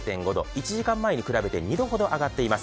１時間前に比べて２度ほど上がっています。